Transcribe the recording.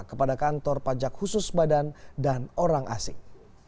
kepada kantor pajak khusus badan dan orang asing